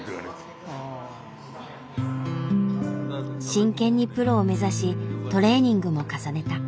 真剣にプロを目指しトレーニングも重ねた。